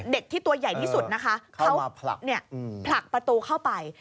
เด็กที่ตัวใหญ่ที่สุดนะคะเขาผลักประตูเข้าไป